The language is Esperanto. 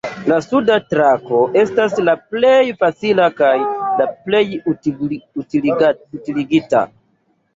La suda trako estas la plej facila kaj la plej utiligita.